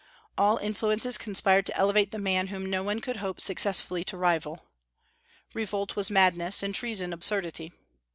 All influences conspired to elevate the man whom no one could hope successfully to rival. Revolt was madness, and treason absurdity.